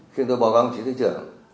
khi tôi báo cáo đồng chí thủ trưởng